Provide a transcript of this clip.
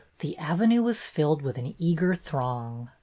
The Avenue was filled with an eager throng.